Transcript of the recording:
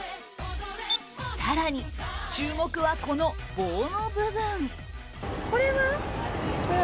更に、注目はこの棒の部分。